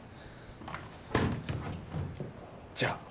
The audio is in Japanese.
じゃあ。